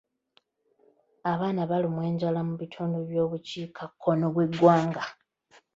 Abaana balumwa enjala mu bitundu by'obukiikakkono by'eggwanga.